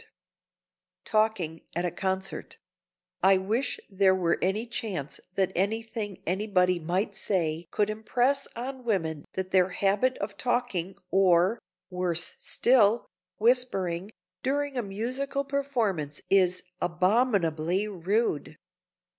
[Sidenote: TALKING AT A CONCERT] I wish there were any chance that anything anybody might say could impress on women that their habit of talking or, worse still, whispering, during a musical performance is abominably rude!